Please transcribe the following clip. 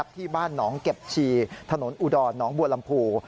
ที่บ้านหนองเก็บชีถนนอุดรหนองบัวลำพู